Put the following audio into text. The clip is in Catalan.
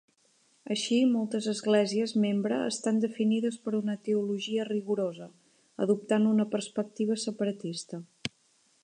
Així, moltes esglésies membre estan definides per una teologia rigorosa, adoptant una perspectiva separatista.